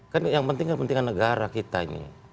kan yang penting kan pentingan negara kita ini